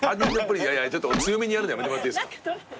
強めにやるのやめてもらっていいですか？